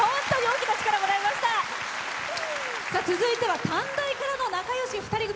続いては短大からの仲よし２人組。